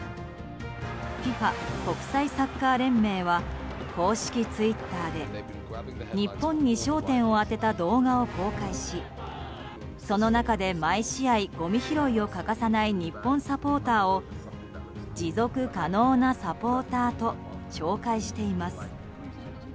ＦＩＦＡ・国際サッカー連盟は公式ツイッターで日本に焦点を当てた動画を公開しその中で毎試合、ごみ拾いを欠かさない日本サポーターを持続可能なサポーターと紹介しています。